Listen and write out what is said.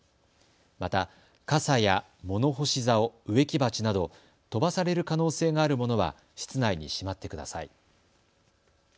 また傘や物干しざお、植木鉢など飛ばされる可能性があるものは室内にしまってください。